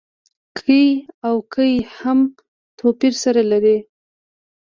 کې او کي هم توپير سره لري.